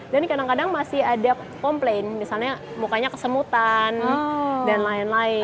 dan kadang kadang masih ada komplain misalnya mukanya kesemutan dan lain lain